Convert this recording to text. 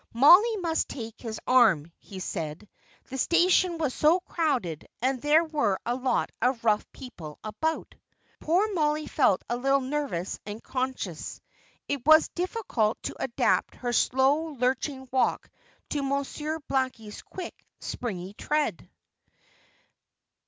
Mollie must take his arm, he said; the station was so crowded, and there were a lot of rough people about. Poor Mollie felt a little nervous and conscious. It was difficult to adapt her slow, lurching walk to Monsieur Blackie's quick, springy tread.